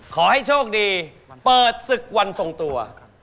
ขอให้โชคดีเปิดศึกวันทรงตัว